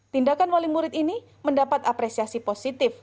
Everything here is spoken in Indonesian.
tindakan wali murid ini mendapat apresiasi positif